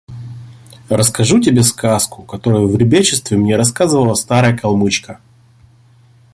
– Расскажу тебе сказку, которую в ребячестве мне рассказывала старая калмычка.